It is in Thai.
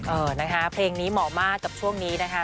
เออนะคะเพลงนี้เหมาะมากกับช่วงนี้นะคะ